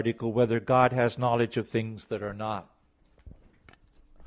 9] Whether God Has Knowledge of Things That Are Not?